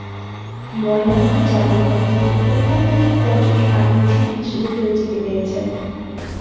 ময়নামতি জাদুঘরটি একটি অন্যতম পর্যটন আকর্ষণ হিসেবে পরিচিতি পেয়েছে।